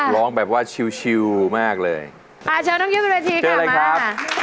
ร้องแบบว่าชิวมากเลยอ่ะเชิญลองกิ๊วเป็นบันทีค่ะมา